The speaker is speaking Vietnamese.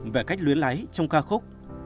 về cách luyến lái trong ca khúc